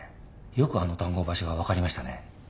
よくあの談合場所が分かりましたね。